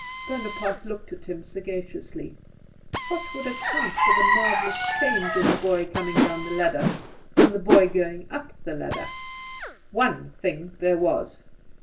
Bonaparte looked at him sagaciously. What would account for the marvellous change in the boy coming down the ladder from the boy going up the ladder? One thing there was.